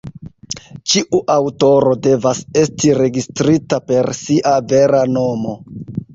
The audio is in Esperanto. Ĉiu aŭtoro devas esti registrita per sia vera nomo.